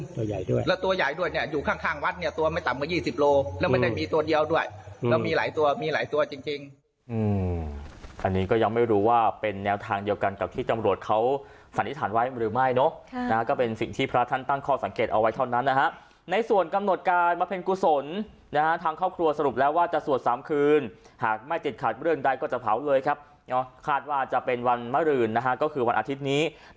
ตัวใหญ่ด้วยแล้วตัวใหญ่ด้วยเนี่ยอยู่ข้างวัดเนี่ยตัวไม่ต่ำกว่า๒๐โลแล้วไม่ได้มีตัวเดียวด้วยแล้วมีหลายตัวมีหลายตัวจริงอันนี้ก็ยังไม่รู้ว่าเป็นแนวทางเดียวกันกับที่จำรวจเขาฝันอิทธารไว้หรือไม่เนาะก็เป็นสิ่งที่พระท่านตั้งข้อสังเกตเอาไว้เท่านั้นนะฮะในส่วนกำหนดการมาเป็น